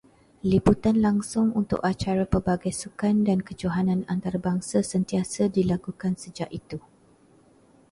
Liputan langsung untuk acara pelbagai sukan dan kejohanan antarabangsa sentiasa dilakukan sejak itu.